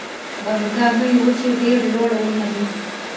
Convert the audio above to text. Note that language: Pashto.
د امریکا لویې وچې ډېر لوړ غرونه دي.